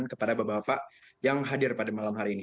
kepada bapak bapak yang hadir pada malam hari ini